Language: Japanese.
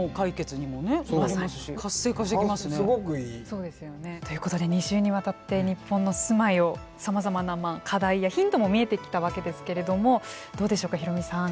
そうですよね。ということで２週にわたって日本の住まいをさまざまな課題やヒントも見えてきたわけですけれどもどうでしょうかヒロミさん。